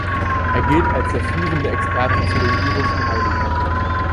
Er gilt als der führende Experte zu den irischen Heiligen.